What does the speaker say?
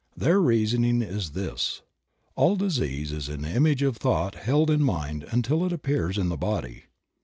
Their reasoning is this: "All disease is an image of thought held in mind until it appears in the body."